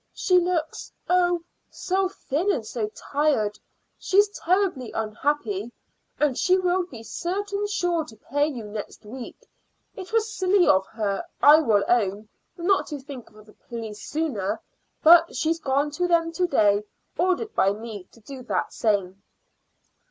She looks, oh, so thin and so tired! She's terribly unhappy, and she will be certain sure to pay you next week. It was silly of her, I will own, not to think of the police sooner; but she's gone to them to day, ordered by me to do that same."